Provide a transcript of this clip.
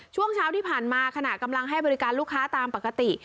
ช่วงเช้าที่ผ่านมาขณะกำลังให้บริการลูกค้าตามปกติ